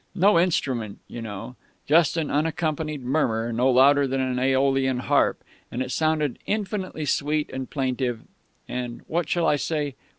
No instrument, you know; just an unaccompanied murmur no louder than an Aeolian harp; and it sounded infinitely sweet and plaintive and what shall I say?